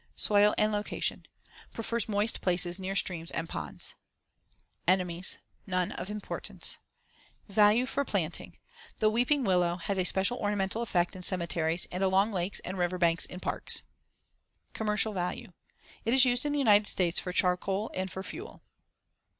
Soil and location: Prefers moist places near streams and ponds. Enemies: None of importance. Value for planting: The weeping willow has a special ornamental effect in cemeteries and along lakes and river banks in parks. Commercial value: It is used in the United States for charcoal and for fuel.